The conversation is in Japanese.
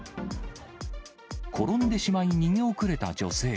転んでしまい逃げ遅れた女性。